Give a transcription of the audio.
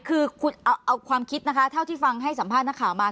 คือคุณเอาความคิดนะคะเท่าที่ฟังให้สัมภาษณ์นักข่าวมา